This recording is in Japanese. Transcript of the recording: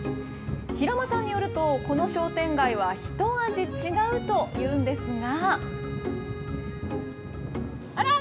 平間さんによると、この商店街はひと味違うというんですが。